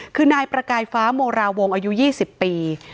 คือนายประกายฟ้าโมราวงศ์อายุ๒๐ปี